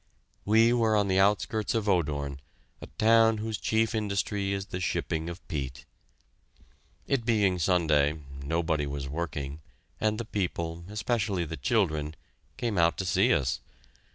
We were on the outskirts of Odoorn, a town whose chief industry is the shipping of peat. It being Sunday, nobody was working, and the people, especially the children, came out to see us.